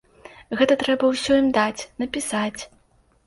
Гэта трэба ўсё ім даць, напісаць.